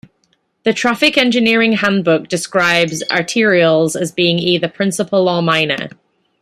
The" Traffic Engineering Handbook "describes "Arterials" as being either principal or minor.